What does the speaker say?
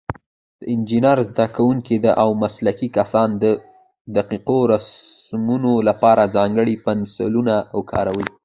د انجینرۍ زده کوونکي او مسلکي کسان د دقیقو رسمونو لپاره ځانګړي پنسلونه کاروي.